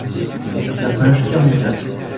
La page quarante-quatre.